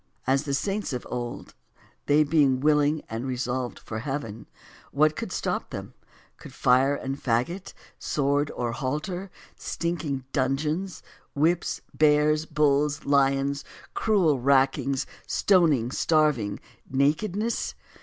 As, 1. The saints of old, they being willing and re solved for heaven, what could stop them ? Could fire and fagot, sword or halter, stinking dun geons, whips, bears, bulls, lions, cruel rackings, stoning, starving, nakedness?